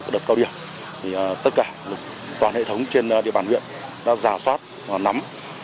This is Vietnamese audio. đợt cao điểm tất cả toàn hệ thống trên địa bàn huyện đã giả soát nắm